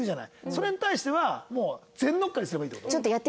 それに対してはもう全乗っかりすればいいって事？